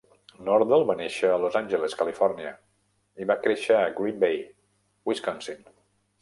Nordell va néixer a Los Angeles, Califòrnia i va créixer a Green Bay, Wisconsin.